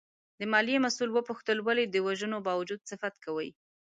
د مالیې مسوول وپوښتل ولې د وژنو باوجود صفت کوې؟